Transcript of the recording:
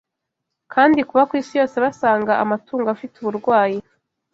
kandi kuba ku isi yose basanga amatungo afite uburwayi